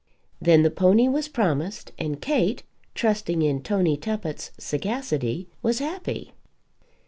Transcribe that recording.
Then the pony was promised; and Kate, trusting in Tony Tuppett's sagacity, was happy.